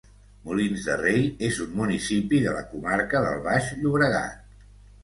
Molins de Rei és un municipi de la comarca del Baix Llobregat.